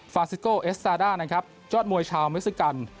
ซิโกเอสตาด้านะครับยอดมวยชาวเมซิกัน